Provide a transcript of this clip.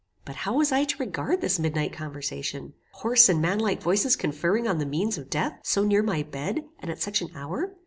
But how was I to regard this midnight conversation? Hoarse and manlike voices conferring on the means of death, so near my bed, and at such an hour!